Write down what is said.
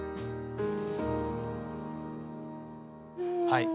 はい。